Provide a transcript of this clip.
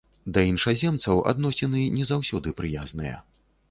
Да іншаземцаў адносіны не заўсёды прыязныя.